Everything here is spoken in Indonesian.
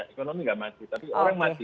ekonomi nggak mati tapi orang mati